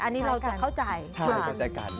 อันนี้เราจะเข้าใจ